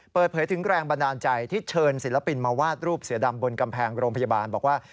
เปิดเผยถึงแรงบันดาลใจที่เชิญศิลปินมาวาดรูปเสือดำบนกำแพงโรงพยาบาลบอกว่า